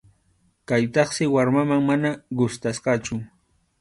Kaytaqsi warmaman mana gustasqachu.